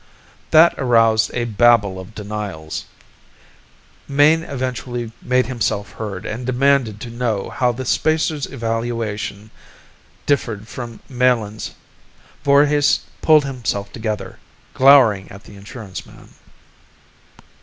That aroused a babble of denials. Mayne eventually made himself heard and demanded to know how the spacer's evaluation differed from Melin's. Voorhis pulled himself together, glowering at the insurance man.